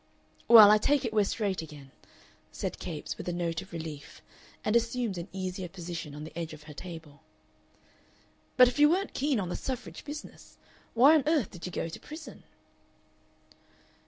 "Well, I take it we're straight again," said Capes with a note of relief, and assumed an easier position on the edge of her table. "But if you weren't keen on the suffrage business, why on earth did you go to prison?"